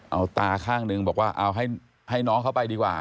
เอาตาข้างนึงบอกว่าเอาให้น้องเขาไปดีกว่า